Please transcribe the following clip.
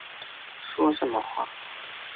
说什么话